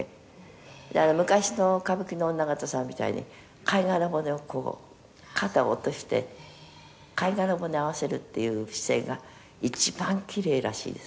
「だから昔の歌舞伎の女形さんみたいに貝殻骨をこう肩を落として貝殻骨合わせるっていう姿勢が一番キレイらしいです